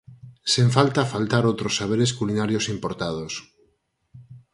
Sen falta faltar outros saberes culinarios importados.